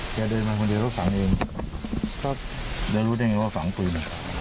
แกเดินมาคนเดียวเขาฝังเองครับแล้วรู้ได้ยังไงว่าฝังปืน